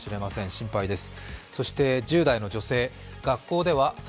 心配です。